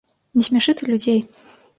Не смяшы ты людзей.